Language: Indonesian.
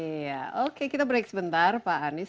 iya oke kita break sebentar pak anies